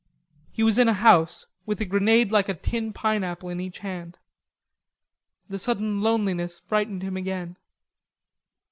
He was in a house, with a grenade like a tin pineapple in each hand. The sudden loneliness frightened him again.